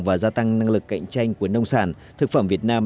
và gia tăng năng lực cạnh tranh của nông sản thực phẩm việt nam